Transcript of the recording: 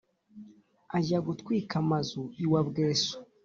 ajya gutwika amazu iwa bweso.